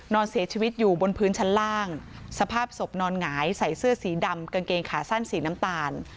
นอนเสียชีวิตอยู่บนพื้นชั้นล่างสภาพศพนอนหงายใส่เสื้อสีดำกางเกงขาสั้นสีน้ำตาล